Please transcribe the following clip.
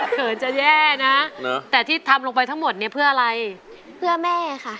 เขินจะแย่นะแต่ที่ทำลงไปทั้งหมดเนี่ยเพื่ออะไรเพื่อแม่ค่ะ